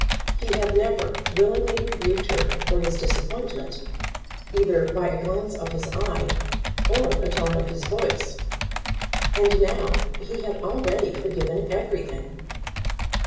He had never willingly rebuked her for his disappointment, either by a glance of his eye, or a tone of his voice; and now he had already forgiven everything.